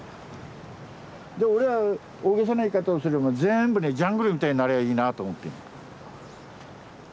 俺は大げさな言い方をすれば全部ねジャングルみたいになりゃあいいなと思ってんだ。